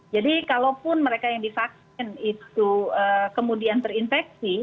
jadi kalaupun mereka yang divaksin itu kemudian terinfeksi